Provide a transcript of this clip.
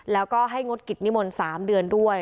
แล้วก็ให้งดกิจนิมนต์๓เดือนด้วย